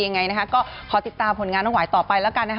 ยังไงนะคะก็ขอติดตามผลงานวายต่อไปแล้วกัน